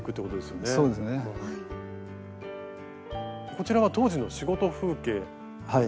こちらは当時の仕事風景。